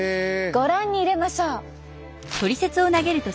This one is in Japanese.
ご覧に入れましょう。